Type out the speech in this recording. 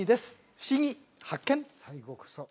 ふしぎ発見！